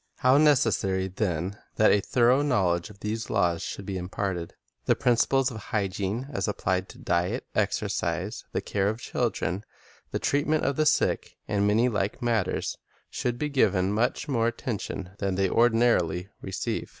How necessary, then, that a thorough knowledge of these laws should be imparted! The principles of hygiene as applied to diet, exercise, the care of chil dren, the treatment of the sick, and many like matters, should be given much more attention than they ordi narily receive.